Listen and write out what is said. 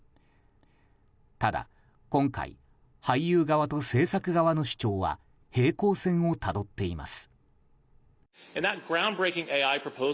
ただ、今回俳優側と制作側の主張は平行線をたどっています。